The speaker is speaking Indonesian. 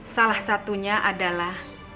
salah satunya adalah